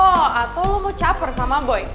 oh atau lo mau caper sama boy